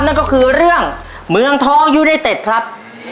นั่นก็คือเรื่องเมืองทองยูไนเต็ดครับ